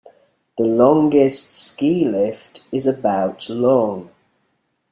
The longest ski lift is about long.